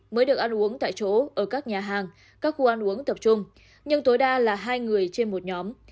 mới được ăn uống tại chỗ ở các nhà hàng các khu ăn uống tập trung nhưng tối đa là hai người trên một nhóm